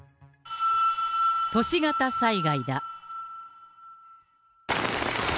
都市型災害だ。